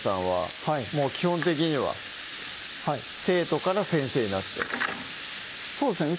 もう基本的には生徒から先生になってそうですね